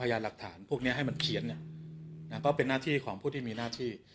ยานหลักฐานพวกนี้ให้มันเขียนก็เป็นหน้าที่ของผู้ที่มีหน้าที่